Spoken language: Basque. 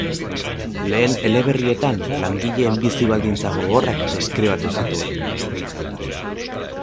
Lehen eleberrietan langileen bizi-baldintza gogorrak deskribatu zituen.